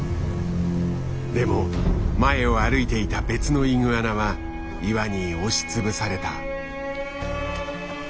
でも前を歩いていた別のイグアナは岩に押し潰された。